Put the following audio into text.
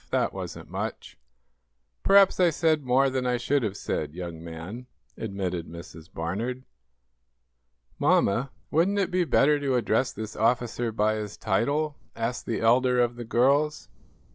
"That wasn't much." "Perhaps I said more than I should have said, young man," admitted Mrs. Barnard. "Mamma, wouldn't it be better to address this officer by his title?" asked the elder of the girls.